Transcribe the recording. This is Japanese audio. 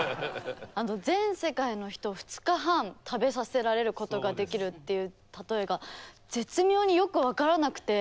全世界の人を２日半食べさせられることができるっていう例えが絶妙によく分からなくて。